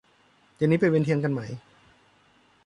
เย็นนี้ไปเวียนเทียนกันไหม